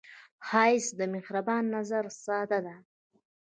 ښایست د مهربان نظر ساه ده